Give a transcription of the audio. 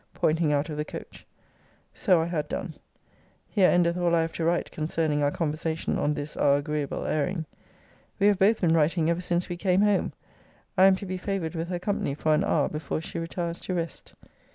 pointing out of the coach. So I had done. Here endeth all I have to write concerning our conversation on this our agreeable airing. We have both been writing ever since we came home. I am to be favoured with her company for an hour, before she retires to rest.